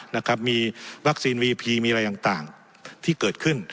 นะครับมีวัคซีนมีอะไรอย่างต่างที่เกิดขึ้น